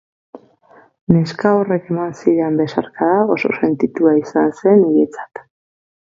Neska horrek eman zidan besarkada oso sentitua izan zen niretzat.